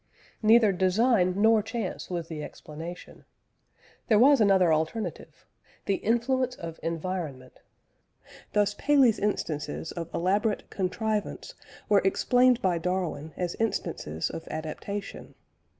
Neither design nor chance was the explanation: there was another alternative, the influence of environment. Thus Paley's instances of elaborate "contrivance" were explained by Darwin as instances of adaptation.